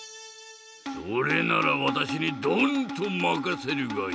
それならわたしにドンとまかせるがいい。